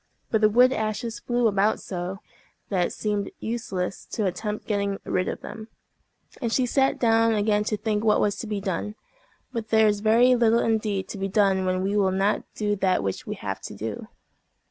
But the wood ashes flew about so, that it seemed useless to attempt getting rid of them, and she sat down again to think what was to be done. But there is very little indeed to be done when we will not do that which we have to do.